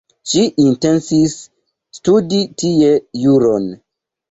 Ŝi intencis studi tie juron.